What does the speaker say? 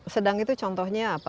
sedang itu contohnya apa